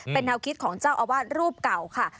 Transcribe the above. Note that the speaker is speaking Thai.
เป็นแนวคิดของเจ้าอาวาสรูปเก่าค่ะ